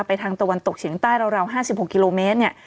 ทางตะวันตกเฉียงใต้ราว๕๖กิโลเมตรเนี่ย